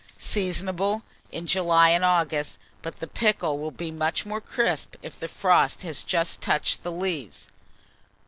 Seasonable in July and August, but the pickle will be much more crisp if the frost has just touched the leaves.